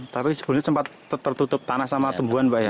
tapi sebelumnya sempat tertutup tanah sama tumbuhan pak ya